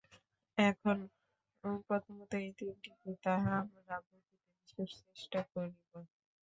এখন প্রথমত এই তিনটি কি, তাহা আমরা বুঝিতে বিশেষ চেষ্টা করিব।